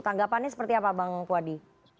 tanggapannya seperti apa bang puadi